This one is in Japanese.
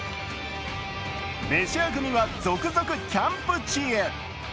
メジャー組は続々キャンプ地へ。